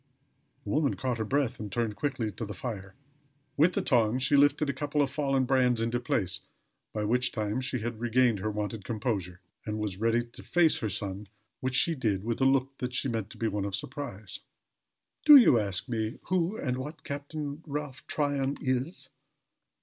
The woman caught her breath and turned quickly to the fire. With the tongs she lifted a couple of fallen brands into place by which time she had regained her wonted composure, and was ready to face her son, which she did, with a look that she meant to be one of surprise. "Do you ask me who and what Captain Ralph Tryon is?"